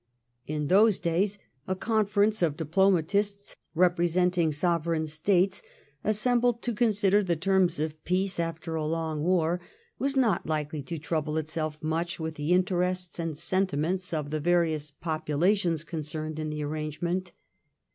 In those days a confer ence of diplomatists, representing sovereign States, assembled to consider the terms of peace after a long war, was not likely to trouble itself much with the interests and sentiments of the various populations concerned in the arrangement.